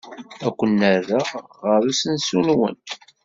Ad ken-rreɣ ɣer usensu-nwen.